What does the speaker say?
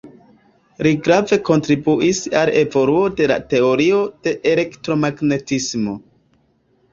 Li grave kontribuis al evoluo de la teorio de elektromagnetismo.